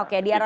oke di arah